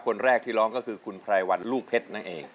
คนแรกที่ร้องก็คือคุณไพรวันลูกเพชรนั่นเอง